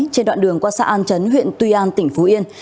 trên đoạn đường qua xã an chấn huyện tuy an tp hcm